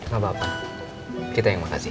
gak apa apa kita yang makasih